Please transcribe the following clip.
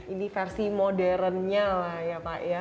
ini versi modernnya lah ya pak ya